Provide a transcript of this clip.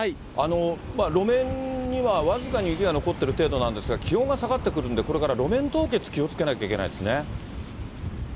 路面には僅かに雪が残ってる程度なんですが、気温が下がってくるんで、これから路面凍結気をつけなきゃいけないですね。